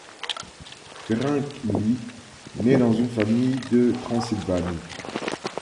Ferenc Illy naît dans une famille de Transylvanie.